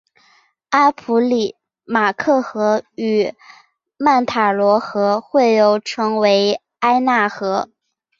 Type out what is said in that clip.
阿普里马克河与曼塔罗河汇流成为埃纳河。